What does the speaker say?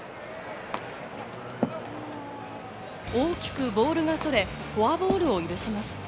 大きくボールがそれ、フォアボールを許します。